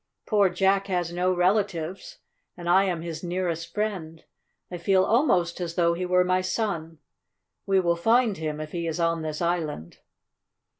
Poor Jack has no relatives, and I am his nearest friend. I feel almost as though he were my son. We will find him if he is on this island."